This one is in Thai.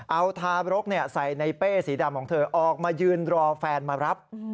เอาทารกใส่ในเป้สีดำของเธอออกมายืนรอแฟนมารับ